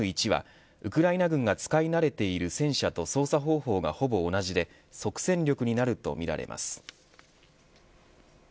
Ｍ１はウクライナ軍が使い慣れている戦車と操作方法がほぼ同じで即戦力となるとみられます。